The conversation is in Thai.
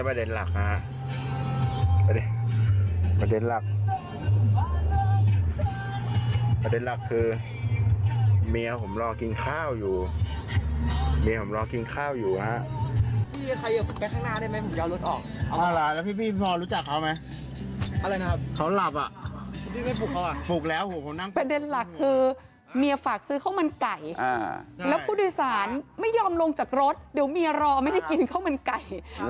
ประเด็นหลักคือเมียฝากซื้อข้าวมันไก่แล้วผู้โดยสารไม่ยอมลงจากรถเดี๋ยวเมียรอไม่ได้กินข้าวมันไก่